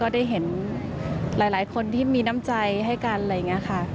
ได้เห็นหลายคนที่มีน้ำใจให้กัน